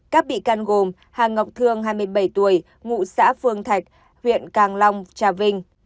các bị can gồm hà ngọc thương hai mươi bảy tuổi ngụ xã phương thạch huyện càng long trà vinh